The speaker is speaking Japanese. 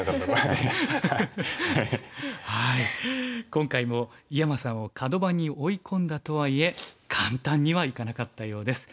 今回も井山さんをカド番に追い込んだとはいえ簡単にはいかなかったようです。